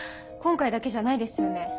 今回だけじゃないですよね？